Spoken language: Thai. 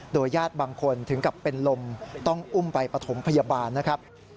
ญาติบางคนถึงกับเป็นลมต้องอุ้มไปปฐมพยาบาลนะครับ